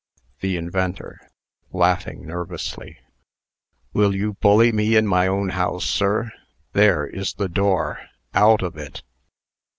THE INVENTOR (laughing nervously). "Will you bully me in my own house, sir? There is the door. Out of it!"